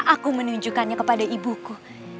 aku menunjukkannya kepada ibuku